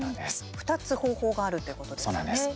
２つ方法があるということですよね。